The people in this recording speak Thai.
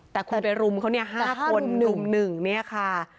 แต่คุณไปรุมเขาเนี่ย๕คนหนุ่ม๑เนี่ยค่ะ